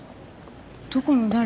どこの誰？